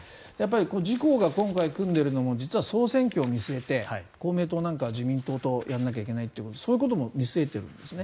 自公が今回組んでいるのも実は総選挙を見据えて公明党は自民党とやんなきゃいけないとそういうことも見据えてるんですね。